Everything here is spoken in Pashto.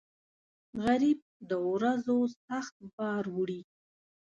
غریب د ورځو سخت بار وړي